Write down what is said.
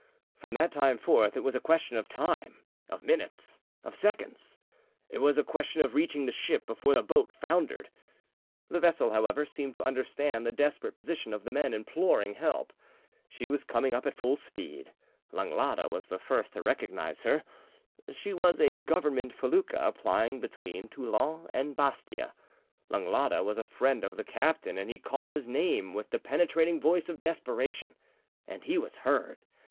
From that time forth it was a question of time, of minutes, of seconds; it was a question of reaching the ship before the boat foundered. The vessel, however, seemed to understand the desperate position of the men imploring help; she was coming up at full speed. Langlade was the first to recognise her; she was a Government felucca plying between Toulon and Bastia. Langlade was a friend of the captain, and he called his name with the penetrating voice of desperation, and he was heard.